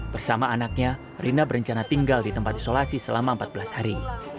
bersama anaknya rina berencana tinggal di tempat isolasi selama empat belas hari